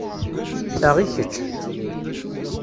Ta i kečč.